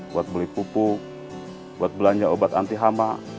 buat beli pupuk buat belanja obat anti hama